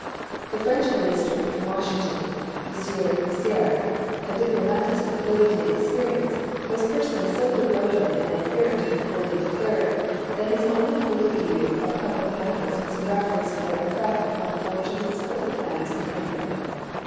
The French Minister in Washington, M. Mercier, a diplomatist of ability and experience, was personally so devoted an ad herent of Napoleon III. that his only point of view of public matters was in reference to their effect upon the fortunes or the plans of the Emperor.